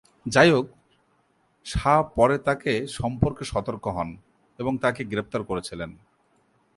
যাইহোক, শাহ পরে তাকে সম্পর্কে সতর্ক হন এবং তাকে গ্রেপ্তার করেছিলেন।